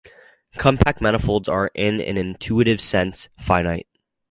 Compact manifolds are, in an intuitive sense, "finite".